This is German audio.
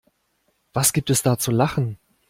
Was gibt es da zu lachen?